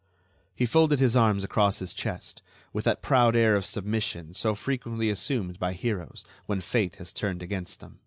He folded his arms across his chest with that proud air of submission so frequently assumed by heroes when fate has turned against them.